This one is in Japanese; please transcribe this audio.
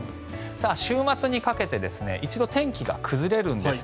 週末にかけて一度、天気が崩れるんです。